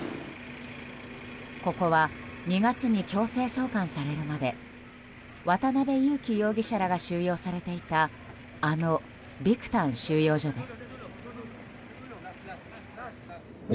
ここは２月に強制送還されるまで渡邉優樹容疑者らが収容されていたあのビクタン収容所です。